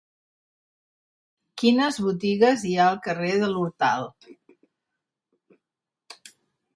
Quines botigues hi ha al carrer de l'Hortal?